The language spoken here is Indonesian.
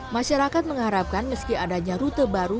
masyarakat mengharapkan meski adanya rute baru